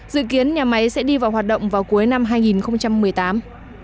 dự kiến nhà máy sẽ đi vào hoạt động vào cuối năm hai nghìn một mươi tám